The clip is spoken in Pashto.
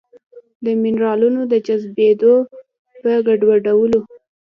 د مېنرالونو د جذبېدو په ګډوډولو